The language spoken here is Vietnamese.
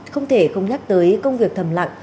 không thể không nhắc tới công việc thầm lặng